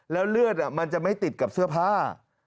แล้วเลือดมันจะไม่ติดกับเสื้อผ้า